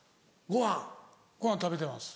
ご飯食べてます。